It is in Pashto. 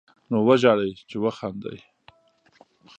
نو وژاړئ، چې وخاندئ